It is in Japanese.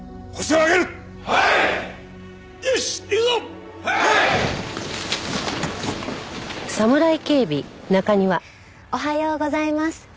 おはようございます。